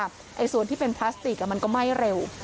ไอ้ส่วนที่เป็นพลาสติกมันก็ไหม้เร็ว